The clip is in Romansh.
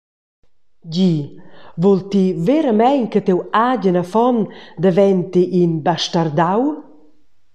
Di, vul ti veramein che tiu agen affon daventi in bastardau?»